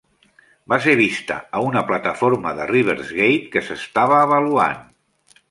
Va ser vista a una plataforma de RiverGate que s'estava avaluant.